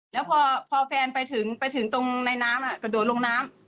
แล้วพอแฟนไปถึงตรงในน้ำโดดลงน้ำ